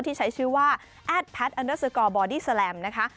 ที่ใช้ชื่อว่าแอดแพทย์อันเดอร์สกอร์บอดี้แลมนะคะ